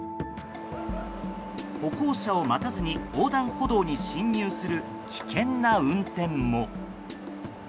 歩行者を待たずに横断歩道に進入する危険な運転も。